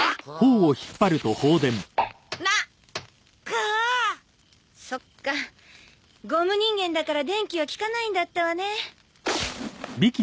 クァそっかゴム人間だから電気は効かないんだったわね